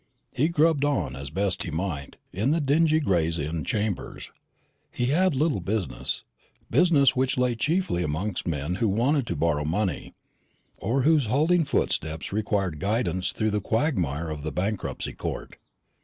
He grubbed on, as best he might, in the dingy Gray's Inn chambers. He had a little business business which lay chiefly amongst men who wanted to borrow money, or whose halting footsteps required guidance through the quagmire of the Bankruptcy Court.